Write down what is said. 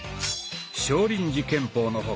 少林寺拳法の他